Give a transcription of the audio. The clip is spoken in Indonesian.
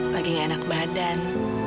lagi gak enak badan